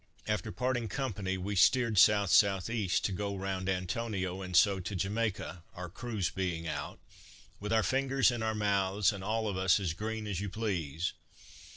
After parting company, we steered south south east, to go round Antonio, and so to Jamaica, (our cruise being out) with our fingers in our mouths, and all of us as green as you please.